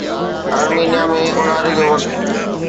آرمينيا ۾ اونهاري جو وقت